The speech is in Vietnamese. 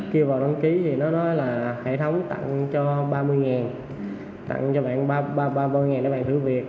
kêu vào đăng ký thì nó nói là hệ thống tặng cho ba mươi tặng cho bạn ba mươi để bạn thử việc